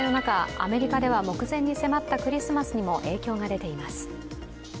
アメリカでは目前に迫ったクリスマスにも影響が出ています。